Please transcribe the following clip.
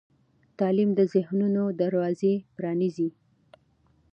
تعلیم د ذهنونو دروازې پرانیزي.